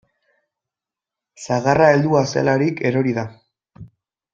Sagarra heldua zelarik erori da.